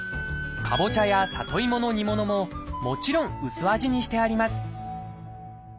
かぼちゃや里芋の煮物ももちろん薄味にしてあります